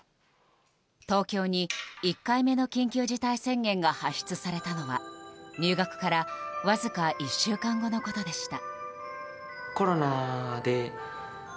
東京に１回目の緊急事態宣言が発出されたのは入学からわずか１週間後のことでした。